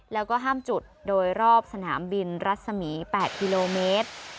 แล้วก็ห้ามจุดโดยรอบสนามบินรัศมี๘กิโลเมตร